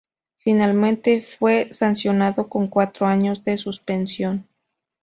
Finalmente fue sancionado con cuatro años de suspensión.